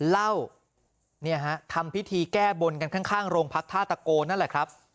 เหล้าเนี่ยฮะทำพิธีแก้บนกันข้างโรงพักท่าตะโกนนั่นแหละครับ